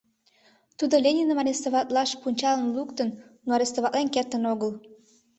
Тудо Лениным арестоватлаш пунчалым луктын, но арестоватлен кертын огытыл.